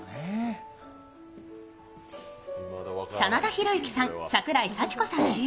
真田広之さん、桜井幸子さん主演